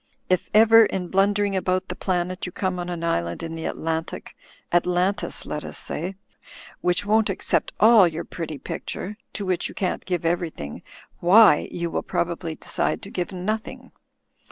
If ever, in blundering about the planet, you come on an island in the Atlantic — ^Atlantis, let us say — ^which won't accept all your pretty picture — ^to which you can't give everything — why you will prob ably decide to give nothing.